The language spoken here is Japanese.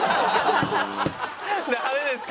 ダメですか。